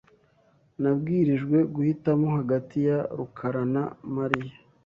Nabwirijwe guhitamo hagati ya rukarana Mariya.